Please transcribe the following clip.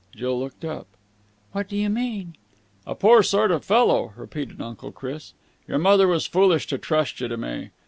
Jill looked up. "What do you mean?" "A poor sort of a fellow," repeated Uncle Chris. "Your mother was foolish to trust you to me.